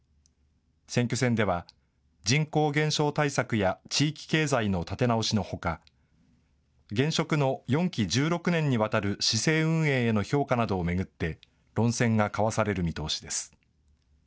選挙戦では人口減少対策や地域経済の立て直しのほか、現職の４期１６年にわたる市政運営への評価などを巡って論戦が交わされる見通しです。